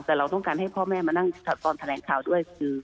แต่เราต้องการให้พ่อแม่มานั่งตอนแถลงข่าวด้วยคือ